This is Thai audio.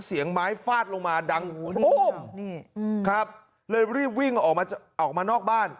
เสียงไม้ฟาดลงมาดังโครมนี่ครับเลยรีบวิ่งออกมาออกมานอกบ้าน